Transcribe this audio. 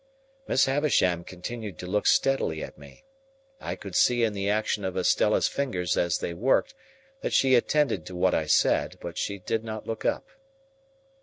Miss Havisham continued to look steadily at me. I could see in the action of Estella's fingers as they worked that she attended to what I said; but she did not look up.